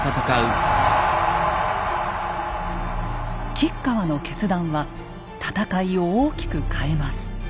吉川の決断は戦いを大きく変えます。